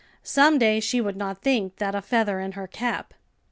Some day she would not think that a feather in her cap.